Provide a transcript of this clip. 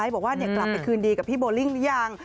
บอกว่ากลับไปคืนดีกับพี่โบลิ่งหรือยัง